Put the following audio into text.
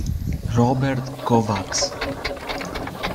Róbert Kovács